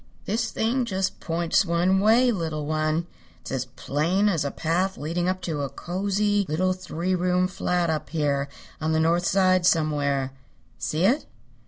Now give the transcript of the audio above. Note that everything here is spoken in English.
"This thing just points one way, little one. It's just as plain as a path leading up to a cozy little three room flat up here on the North Side somewhere. See it?